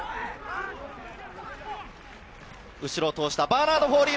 後ろを通した、バーナード・フォーリー。